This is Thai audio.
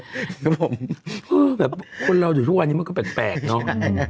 ครับผมแบบคนเราอยู่ทุกวันนี้มันก็แปลกเนอะ